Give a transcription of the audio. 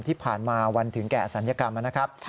ที่ผ่านมาวันถึงแก่อศัลยกรรมนะครับ